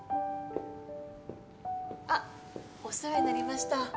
あっお世話になりました。